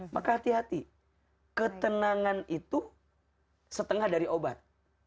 maka hati hati ketenangan itu setengah dari obat